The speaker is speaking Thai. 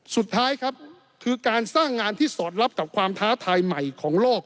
สุดท้ายครับคือการสร้างงานที่สอดรับกับความท้าทายใหม่ของโลก